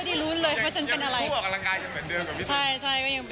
พี่ท่านแนะนำอย่างไรอะไรนะคะ